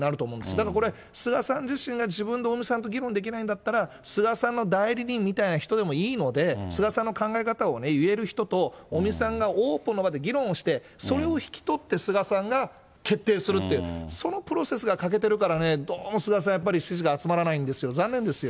だからこれ、菅さん自身が自分で尾身さんと議論できないんだったら、菅さんの代理人みたいな人でもいいので、菅さんの考え方を言える人と、尾身さんがオープンの場で議論をして、それを引き取って、菅さんが決定するって、そのプロセスが欠けてるからね、どうも菅さん、やっぱり支持が集まらないんですよ、残念ですよ。